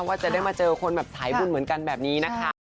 ว่าจะได้มาเจอคนแบบสายบุญเหมือนกันแบบนี้นะคะ